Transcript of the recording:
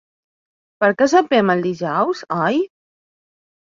Perquè sopem el dijous, oi?